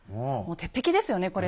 もう鉄壁ですよね